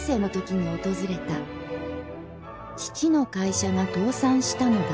父の会社が倒産したのだ